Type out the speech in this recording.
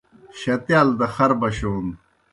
شتِیال دہ خر بشون